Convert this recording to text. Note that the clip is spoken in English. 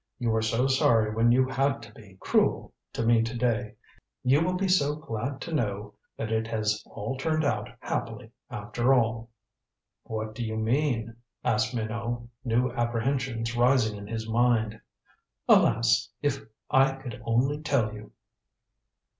You were so sorry when you had to be cruel to me to day. You will be so glad to know that it has all turned out happily, after all." "What do you mean?" asked Minot, new apprehensions rising in his mind. "Alas, if I could only tell you."